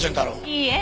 いいえ。